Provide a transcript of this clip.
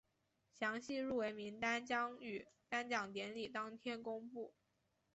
详细入围名单将于颁奖典礼当天公布。